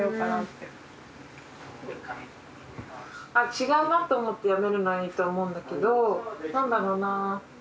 違うなと思って辞めるのはいいと思うんだけど何だろうな。